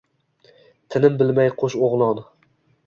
Tinim bilmay qo‘sh o‘g‘lon